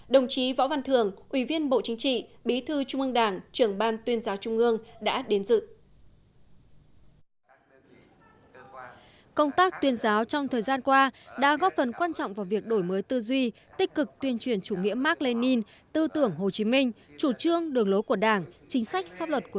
đồng chí võ văn thường ủy viên bộ chính trị bí thư trung ương đảng trưởng ban tuyên giáo trung ương đã đến dự